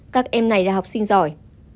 các em này là học sinh giỏi